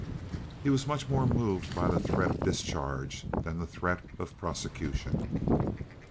He was much more moved by the threat of discharge than the threat of prosecution.